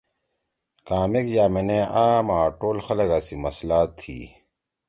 کامیک یأمینے عام آں ٹول خلگا سی مسئلہ تھی۔